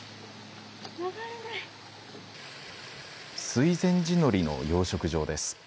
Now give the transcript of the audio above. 水前寺のりの養殖場です。